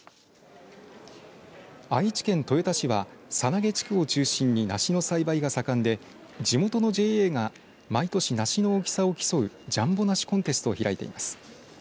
愛知県豊田市は猿投地区を中心に梨の栽培が盛んで地元のＪＡが毎年梨の大きさを競うジャンボ梨コンテストを開いています。